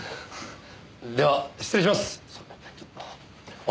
では失礼します。さあ。